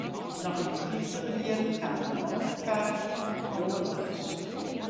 Noch yn 'e fyftiger jierren kaam de molkekarre by de doar lâns.